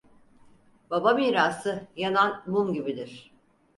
Baba mirası yanan mum gibidir.